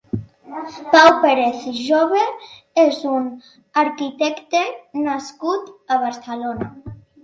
Pau Pérez Jove és un arquitecte nascut a Barcelona.